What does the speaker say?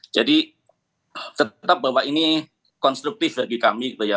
jadi tetap bahwa ini konstruktif bagi kami gitu ya